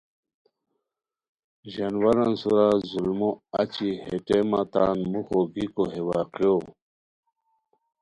ژانوارن سورا ظلمو اچی ہے ٹیمہ تان موخی گیکو ہے واقعو